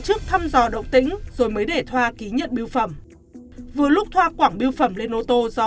chức thăm dò động tĩnh rồi mới để thoa ký nhận biêu phẩm vừa lúc thoa quảng biêu phẩm lên ô tô do